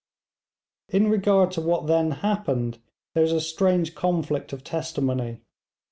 In regard to what then happened there is a strange conflict of testimony.